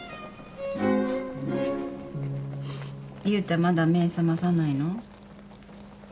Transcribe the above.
悠太まだ目覚まさないの？